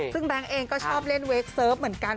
ซึ่งแบงค์เองก็ชอบเล่นเวคเซิร์ฟเหมือนกัน